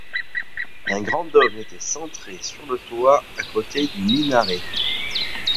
Un grand dôme était centré sur le toit à côté du minaret.